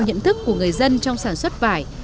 nhận thức của người dân trong sản xuất vải